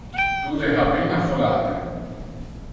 Tu le ha ben affollate.